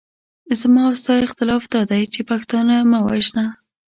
زما او ستا اختلاف دادی چې پښتانه مه وژنه.